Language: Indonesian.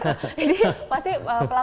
jadi pasti pelaku umkm juga penasaran